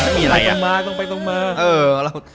ต้องไปตรงมา